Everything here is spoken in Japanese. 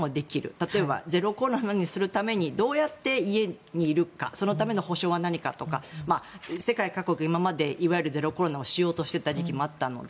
例えばゼロコロナにするためにどうやって家にいるかそのための補償は何かとか世界各国、今までいわゆるゼロコロナをしようとしていた時期もあったので。